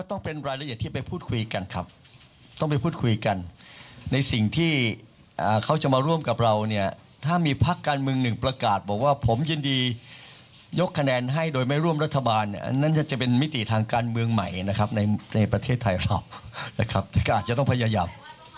ต้องเป็นรายละเอียดที่ไปพูดคุยกันครับต้องไปพูดคุยกันในสิ่งที่เขาจะมาร่วมกับเราเนี่ยถ้ามีพักการเมืองหนึ่งประกาศบอกว่าผมยินดียกคะแนนให้โดยไม่ร่วมรัฐบาลอันนั้นจะเป็นมิติทางการเมืองใหม่นะครับในประเทศไทยเรานะครับที่อาจจะต้องพยายาม